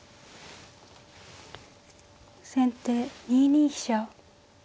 先手２二飛車。